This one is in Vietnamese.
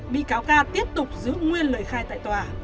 bị cáo ca tiếp tục giữ nguyên lời khai tại tòa